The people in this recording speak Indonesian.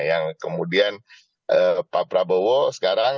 yang kemudian pak prabowo sekarang